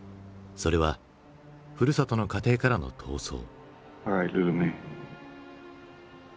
それはふるさとの家庭からの逃走。